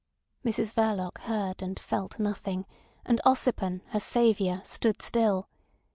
Mrs Verloc heard and felt nothing, and Ossipon, her saviour, stood still.